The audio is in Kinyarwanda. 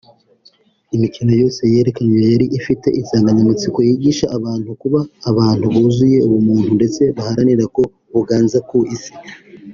Imikino yose yerekanywe yari ifite insanganyamatsiko yigisha abantu kuba ‘abantu buzuye ubumuntu’ ndetse baharanira ko buganza ku Isi